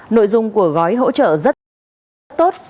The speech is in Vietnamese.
nội dung của gói hỗ trợ rất tốt